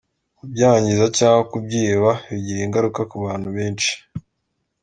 Kubyangiza cyangwa kubyiba bigira ingaruka ku bantu benshi.